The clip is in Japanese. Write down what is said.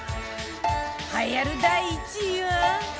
栄えある第１位は